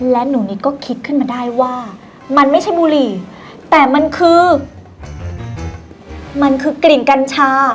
และหนูนิดก็คิดขึ้นมาได้ว่ามันไม่ใช่บุหรี่แต่มันคือมันคือกลิ่นกัญชา